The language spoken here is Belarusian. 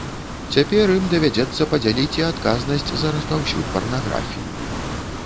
Цяпер ім давядзецца падзяліць і адказнасць за распаўсюд парнаграфіі.